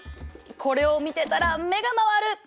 これを見てたら目が回る！